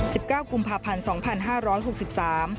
เก้ากุมภาพันธ์สองพันห้าร้อยหกสิบสาม